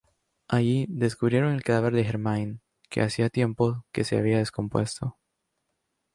Allí, descubrieron el cadáver de Germain, que hacía tiempo que se había descompuesto.